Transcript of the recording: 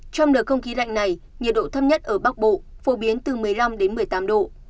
trong đợt không khí lạnh này nhiệt độ thấp nhất ở bắc bộ phổ biến từ một mươi năm đến một mươi tám độ